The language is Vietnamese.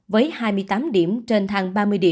với hai mươi tám điểm trên tháng